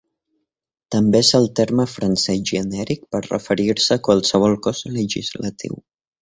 També és el terme francès genèric per referir-se a qualsevol cos legislatiu.